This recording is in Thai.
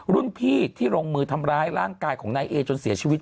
รุ่นพี่ที่ลงมือทำร้ายร่างกายของนายเอจนเสียชีวิต